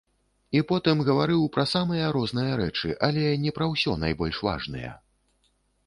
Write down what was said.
І потым гаварыў пра самыя розныя рэчы, але не пра ўсё найбольш важныя.